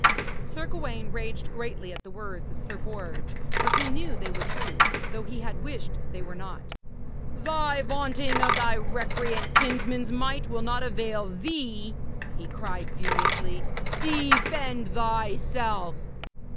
Sir Gawaine raged greatly at the words of Sir Bors, for he knew they were true, though he had wished they were not. 'Thy vaunting of thy recreant kinsman's might will not avail thee,' he cried furiously. 'Defend thyself!'